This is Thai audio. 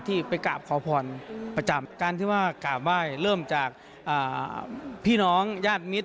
ที่ไปกราบขอพรประจำการที่ว่ากราบไหว้เริ่มจากพี่น้องญาติมิตร